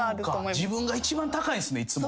自分が一番高いんすねいつも。